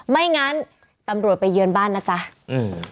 ไม่งั้นตำรวจไปเยือนบ้านนะจ๊ะอืม